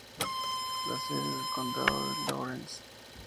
La sede del condado es Laurens.